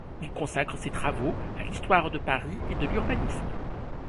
Il consacre ses travaux à l'histoire de Paris et de l'urbanisme.